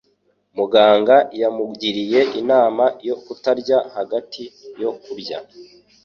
Muganga yamugiriye inama yo kutarya hagati yo kurya